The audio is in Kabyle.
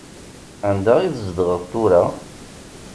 Anda i tzedɣeḍ tura?